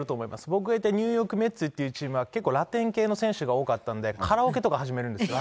僕がいたニューヨークメッツというチームは結構、ラテン系の選手が多かったんで、カラオケとか始めるんですよ。